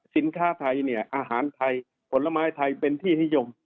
สินค้าไทยเนี่ยอาหารไทยผลไม้ไทยเป็นที่นิยม